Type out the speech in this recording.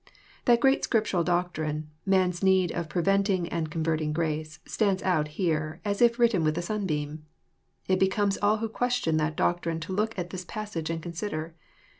That great Scriptural doctrine, man's need of preventing and converting grace, stands out here, as if written with a sunbeam. It becomes all who question that doctrine to look at this passage and consider.